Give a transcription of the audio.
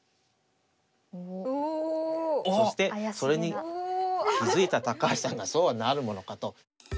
そしてそれに気付いた高橋さんがそうはなるものかと。